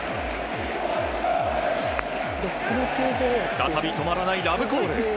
再び止まらないラブコール。